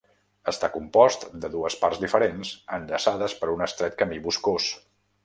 Està compost de dues parts diferents, enllaçades per un estret camí boscós.